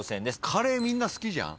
カレーみんな好きじゃん？